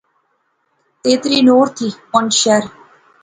تیتری نوٹ تھی پونچھ شہر